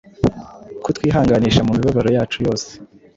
kutwihanganisha mu mibabaro yacu yose,